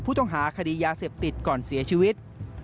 ผู้ต้องหาคดียาเสพติดก่อนเสียชีวิต